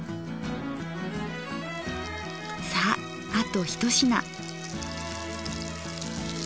さああと一品。